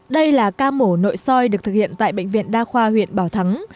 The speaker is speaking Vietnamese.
đây là ca mổ nội soi được thực hiện tại bệnh viện đa khoa huyện bảo thắng